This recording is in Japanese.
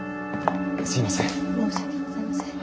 すいません。